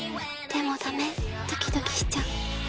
でもダメドキドキしちゃ